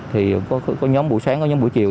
thì có nhóm buổi sáng có nhóm buổi chiều